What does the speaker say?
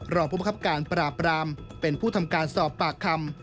รองผู้บังคับการปราบรามเป็นผู้ทำการสอบปากคำ